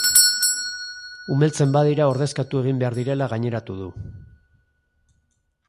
Umeltzen badira ordezkatu egin behar direla gaineratu du.